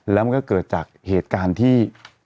แล้วมันก็เกิดจากเหตุการณ์ที่